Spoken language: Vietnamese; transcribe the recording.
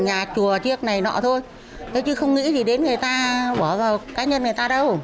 nhà chùa chiếc này nọ thôi thế chứ không nghĩ gì đến người ta bỏ vào cá nhân người ta đâu